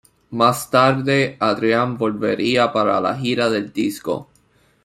Más tarde, Adrian volvería para la gira del disco.